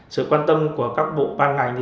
sự quan tâm của các bộ ban ngành